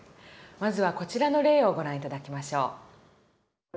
まずはこちらの例をご覧頂きましょう。